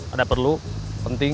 ada perlu penting